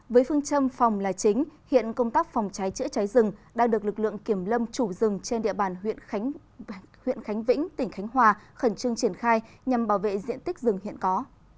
với phương châm phòng là chính hiện công tác phòng cháy chữa cháy rừng đang được lực lượng kiểm lâm chủ rừng trên địa bàn huyện khánh vĩnh tỉnh khánh hòa khẩn trương triển khai nhằm bảo vệ diện tích rừng hiện có